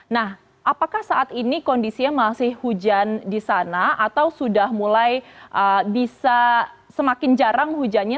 nah apakah saat ini kondisinya masih hujan di sana atau sudah mulai bisa semakin jarang hujannya